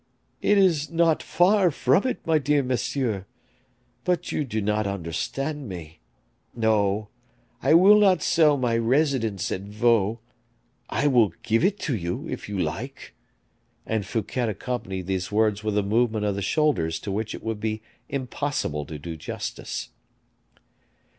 "It is not far from it, my dear monsieur. But you do not understand me. No; I will not sell my residence at Vaux; I will give it to you, if you like;" and Fouquet accompanied these words with a movement of the shoulders to which it would be impossible to do justice.